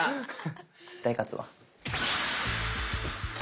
絶対勝つわ！